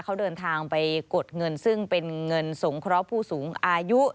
เขาเดินทางไปกดเงินซึ่งเป็นเงินสงเคราะห์ผู้สูงอายุ